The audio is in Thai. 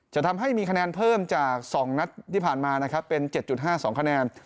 จะทำให้มีคะแนนเพิ่มจาก๒นัดที่ผ่านมานะครับเป็น๗๕๒คะแนน